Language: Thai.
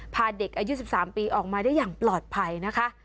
พาเด็กอายุ๑๓ปีออกมาได้อย่างปลอดภัยนะคะ